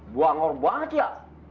buang or banget ya